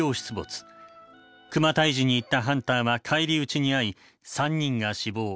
クマ退治に行ったハンターは返り討ちに遭い３人が死亡。